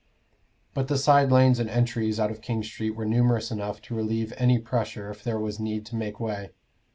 But the side lanes and entries out of King Street were numerous enough to relieve any pressure if there was need to make way.